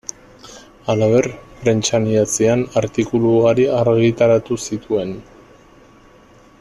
Halaber, prentsan idatzian artikulu ugari argitaratu zituen.